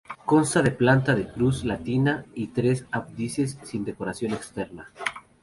Consta de planta de cruz latina y tres ábsides y sin decoración externa.